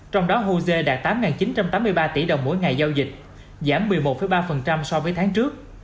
trong đó hosea đạt tám chín trăm tám mươi ba tỷ đồng mỗi ngày giao dịch giảm một mươi một ba so với tháng trước